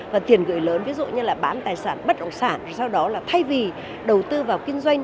và tiền gửi lớn ví dụ như là bán tài sản bất động sản sau đó là thay vì đầu tư vào kinh doanh